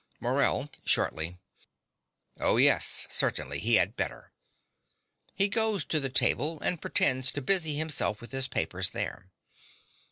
MORELL (shortly). Oh, yes, certainly: he had better. (He goes to the table and pretends to busy himself with his papers there.)